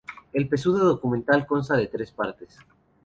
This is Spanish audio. El pseudo-documental consta de tres partes.